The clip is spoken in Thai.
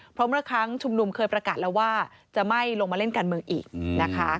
เพราะเมื่อครั้งชุมนุมเคยประกาศแล้วว่าจะไม่ลงมาเล่นการเมืองอีกนะคะ